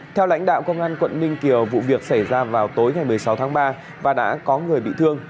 theo lãnh đạo công an quận ninh kiều vụ việc xảy ra vào tối ngày một mươi sáu tháng ba và đã có người bị thương